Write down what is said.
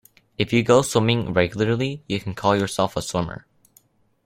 If you go swimming regularly, you can call yourself a swimmer.